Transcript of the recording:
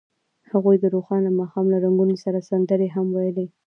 هغوی د روښانه ماښام له رنګونو سره سندرې هم ویلې.